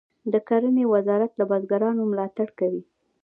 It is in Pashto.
د کرنې وزارت له بزګرانو ملاتړ کوي.